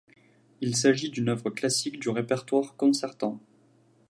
Il s'agit d'une œuvre classique du répertoire concertant.